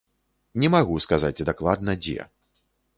Не магу сказаць дакладна, дзе.